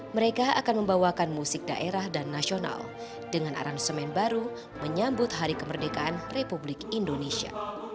mereka akan membawakan musik daerah dan nasional dengan aransemen baru menyambut hari kemerdekaan republik indonesia